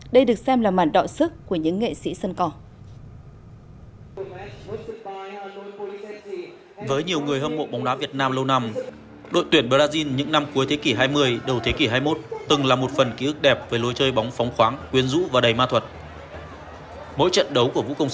đây được xem là màn đạo sức của những nghệ sĩ sân cỏ